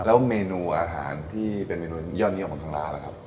แล้วเมนูอาหารที่เป็นเมนูยอดเยี่ยมของทางร้านล่ะครับ